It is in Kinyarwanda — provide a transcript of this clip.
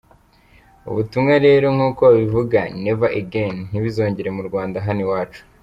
Ubutumwa rero, nk’uko babivuga Never Again, ntibizongere mu Rwanda hano iwacu.